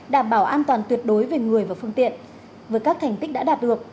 đảm bảo an toàn tuyệt đối về người và phương tiện với các thành tích đã đạt được